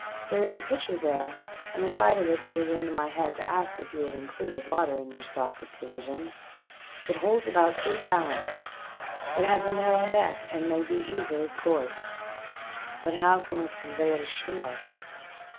There is a pitcher there and the sight of it put it into my head to ask if you had included water in your stock of provisions. It holds about two gallons. It has a narrow neck and may be easily corked. But how can we convey it ashore.